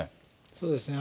そうですね。